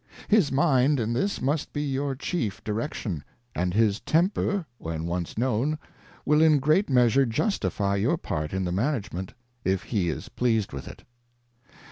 His Mind in this must be your chief Direction ; and his Temper, when once known, will in great measure justifie your part in the manage ment, if he is pleased with it.